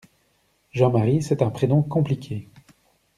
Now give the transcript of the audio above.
Jean-Marie c'est un prénom compliqué.